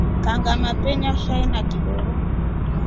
Kangama twenywa shai na kiboro.